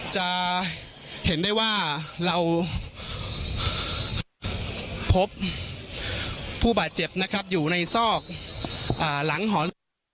จะเห็นได้ว่าเราพบผู้บาดเจ็บนะครับอยู่ในซอกหลังหอน